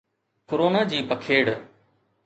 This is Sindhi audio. ڪرونا جي پکيڙ